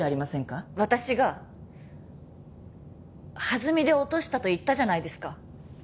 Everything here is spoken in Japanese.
私が弾みで落としたと言ったじゃないですか。